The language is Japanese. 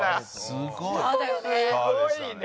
すごいね。